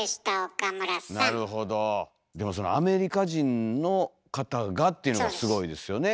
でもそのアメリカ人の方がっていうのがすごいですよね。